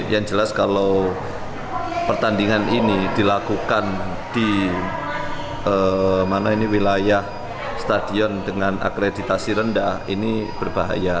yang jelas kalau pertandingan ini dilakukan di wilayah stadion dengan akreditasi rendah ini berbahaya